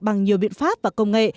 bằng nhiều biện pháp và công nghệ